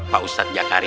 pak ustadz jakarta